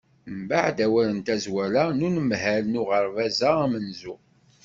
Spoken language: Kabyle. Mbeɛd awal n tazwara n unemhal n uɣerbaz-a amenzu.